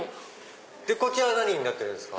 こちら何になってるんですか？